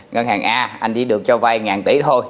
ngân hàng a anh chỉ được cho vay ngàn tỷ thôi